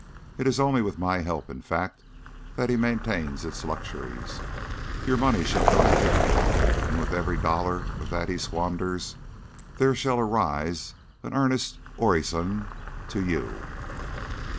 It is only with my help, in fact, that he maintains its luxuries. Your money shall go to him, and with every dollar of it that he squanders, there shall arise an earnest orison to you."